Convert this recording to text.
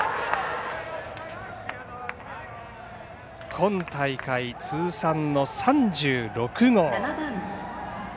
今大会、通算の３６号。